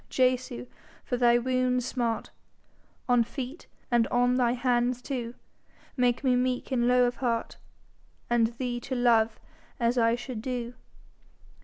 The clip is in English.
Jesu, for thy wounds' smart, On feet and on thine hands two, Make me meek and low of heart, And thee to love as I should do.